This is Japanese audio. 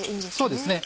そうですね。